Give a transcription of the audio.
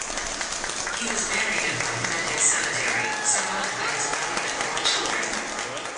He was buried at Waikumete Cemetery, survived by his wife and four children.